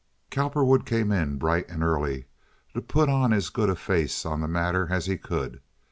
Cowperwood came in bright and early to put as good a face on the matter as he could.